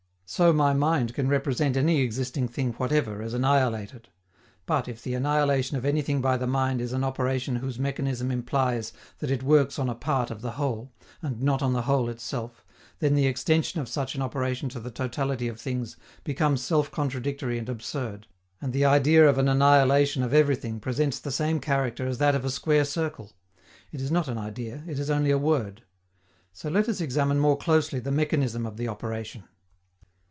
So my mind can represent any existing thing whatever as annihilated; but if the annihilation of anything by the mind is an operation whose mechanism implies that it works on a part of the whole, and not on the whole itself, then the extension of such an operation to the totality of things becomes self contradictory and absurd, and the idea of an annihilation of everything presents the same character as that of a square circle: it is not an idea, it is only a word. So let us examine more closely the mechanism of the operation.